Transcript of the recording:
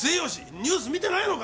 ニュース見てないのか！